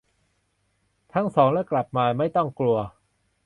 ทั้งสองจะกลับมา ไม่ต้องกลัว